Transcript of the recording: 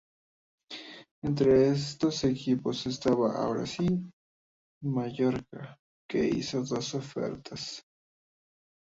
Entre estos equipos estaba, ahora sí, el Mallorca, que hizo dos ofertas.